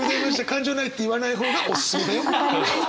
感情ないって言わない方がおすすめだよ。